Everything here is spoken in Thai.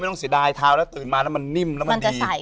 ต้องเสียดายทาวแล้วตื่นมาแล้วมันนิ่มแล้วมันดี